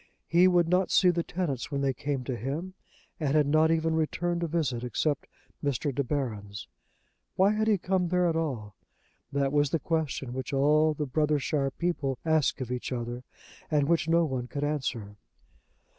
He would not see the tenants when they came to him, and had not even returned a visit except Mr. De Baron's. Why had he come there at all? That was the question which all the Brothershire people asked of each other, and which no one could answer.